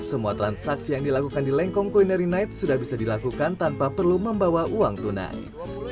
semua transaksi yang dilakukan di lengkong culinary night sudah bisa dilakukan tanpa perlu membawa uang tunai